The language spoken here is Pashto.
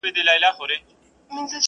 د وروستي عدالت کور د هغه ځای دئ؛